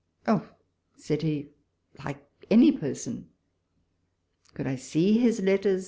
"Oh," said he, "like any person."— " Could I see his letters?"